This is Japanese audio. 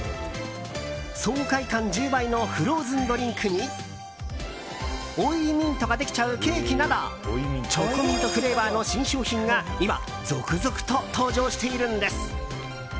爽快感１０倍のフローズンドリンクに追いミントができちゃうケーキなどチョコミントフレーバーの新商品が今、続々と登場しているんです。